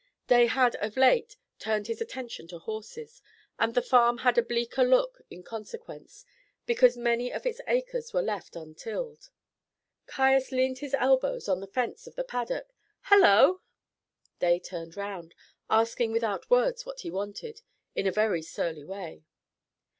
Day had of late turned his attention to horses, and the farm had a bleaker look in consequence, because many of its acres were left untilled. Caius leaned his elbows on the fence of the paddock. "Hullo!" Day turned round, asking without words what he wanted, in a very surly way.